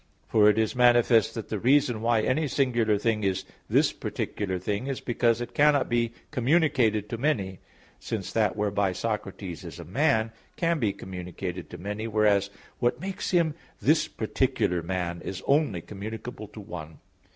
For it is manifest that the reason why any singular thing is "this particular thing" is because it cannot be communicated to many: since that whereby Socrates is a man, can be communicated to many; whereas, what makes him this particular man, is only communicable to one.